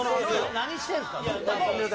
何してんすか？